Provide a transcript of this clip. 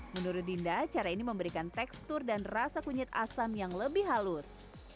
menurut dinda cara ini memberikan tekstur dan rasa kunyit asam yang lebih halus